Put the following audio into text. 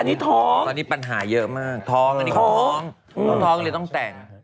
อันนี้ท้องตอนนี้ปัญหาเยอะมากท้องอันนี้เขาท้องน้องท้องเลยต้องแต่ง